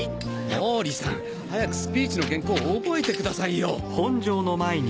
毛利さん早くスピーチの原稿覚えてくださいよ。